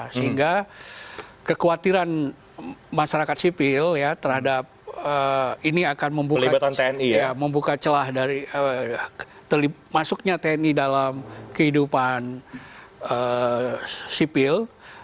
sehingga kekhawatiran masyarakat sipil terhadap ini akan membuka celah dari masuknya tni dalam kehidupan sipil